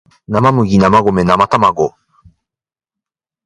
生麦生卵生卵